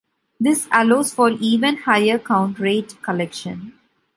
This allows for even higher count rate collection.